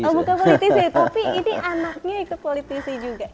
oh bukan politisi tapi ini anaknya ikut politisi juga